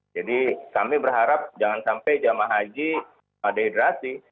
jadi kami berharap jangan sampai jama' haji